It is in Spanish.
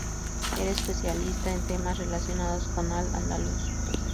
Era especialista en temas relacionados con Al-Ándalus.